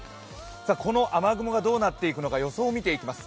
この雨雲がどうなっていくのか予想を見ていきます。